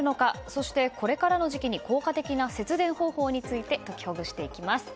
そして、これからの時期に効果的な節電方法についてときほぐしていきます。